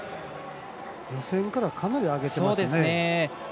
予選からかなり上げてますね。